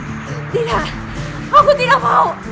tidak aku tidak mau